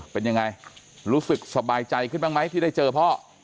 เป็นยังไงรู้สึกสบายใจขึ้นบ้างไหมที่ได้เจอพ่อ